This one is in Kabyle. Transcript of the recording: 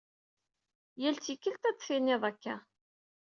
Yal tikkelt, ad d-tinid akka.